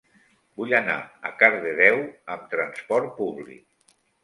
Vull anar a Cardedeu amb trasport públic.